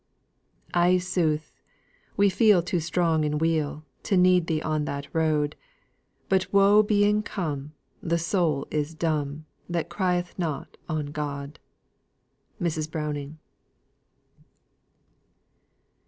"Ay sooth, we feel too strong in weal, to need Thee on that road; But woe being come, the soul is dumb, that crieth not on 'God.'" MRS. BROWNING.